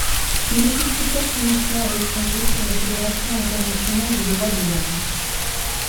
Il effectue quatre missions à l'étranger pour la Fédération internationale des droits de l'homme.